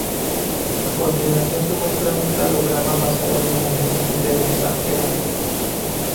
A continuación se muestra un cladograma basado en el análisis de Daza "et al.